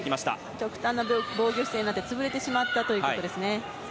極端な防御姿勢になって潰れてしまったんですね。